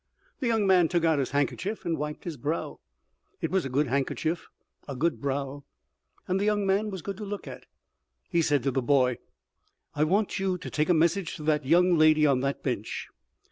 The young man took out his handkerchief and wiped his brow. It was a good handkerchief, a good brow, and the young man was good to look at. He said to the boy: "I want you to take a message to that young lady on that bench.